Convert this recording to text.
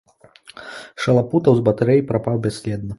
Шалапутаў з батарэі прапаў бясследна.